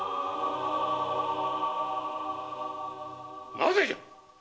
なぜじゃ⁉